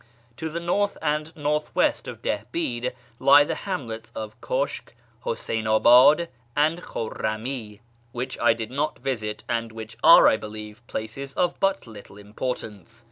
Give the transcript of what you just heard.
To the north and north west of Dihbid lie the hamlets of Kushk, Huseyn abad, and Khurrami, which I did not visit, and which are, I believe, places of but little importance.